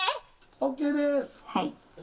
ＯＫです。